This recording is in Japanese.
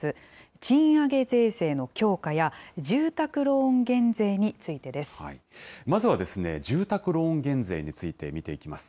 賃上げ税制の強化や、住宅ローンまずは住宅ローン減税について、見ていきます。